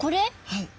はい。